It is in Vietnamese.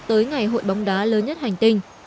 tới ngày hội bóng đá lớn nhất hành tinh